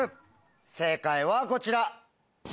正解はこちら。